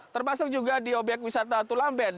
termasuk juga di obyek wisata tulamben